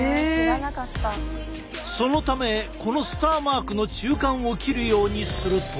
そのためこのスターマークの中間を切るようにすると。